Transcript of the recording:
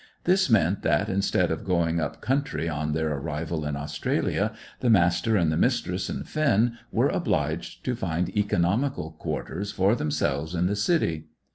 This meant that, instead of going up country on their arrival in Australia, the Master and the Mistress and Finn were obliged to find economical quarters for themselves in the city.